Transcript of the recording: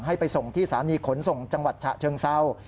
ให้ไปส่งที่สถานีขนส่งจังหวัดฉะเชิงเศร้า